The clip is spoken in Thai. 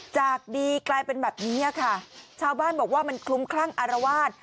จากดีกลายเป็นแบบนี้ค่ะชาวบ้านบอกว่ามันคลุ้มคลั่งอารวาส